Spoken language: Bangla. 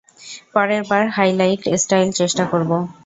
পরের বার হাইলাইট স্টাইল চেষ্টা করব?